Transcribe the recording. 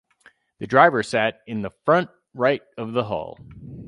The driver sat in the front right of the hull.